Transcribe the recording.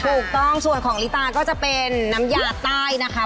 ถูกต้องส่วนของลิตาก็จะเป็นน้ำยาใต้นะคะ